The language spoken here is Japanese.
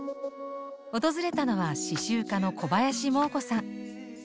訪れたのは刺しゅう家の小林モー子さん。